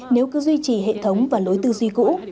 nếu cứ duy trì hệ thống và lối tư duy cũ